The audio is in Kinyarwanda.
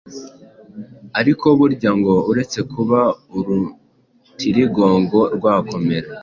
ariko burya ngo uretse kuba urutirigongo rwakomera